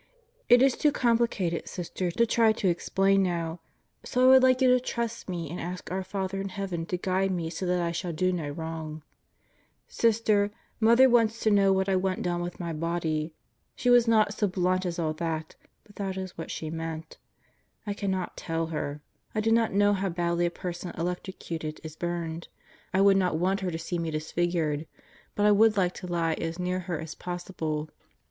It is too complicated, Sister, to try to explain now. So I would like you to trust me and ask our Father in heaven to guide me so that I shall do no wrong. ... Sister, Mother wants to know what I want done with my body. She was not so blunt as all that, but that is what she meant. I cannot tell her. I do not know how badly a person electrocuted is burned, I would not want her to see me disfigured, but I would like to lie as near her as possible.